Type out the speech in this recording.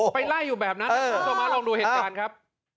ไปไล่อยู่แบบนั้นเออมาลองดูเหตุการณ์ครับ